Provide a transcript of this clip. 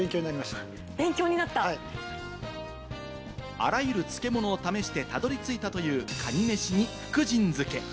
あらゆる漬物を試してたどり着いたという、かにめしに福神漬け。